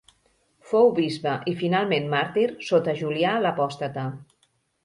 Fou bisbe i finalment màrtir sota Julià l'Apòstata.